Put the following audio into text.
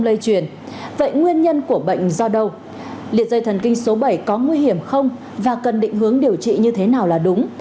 liệt dây thần kinh số bảy có nguy hiểm không và cần định hướng điều trị như thế nào là đúng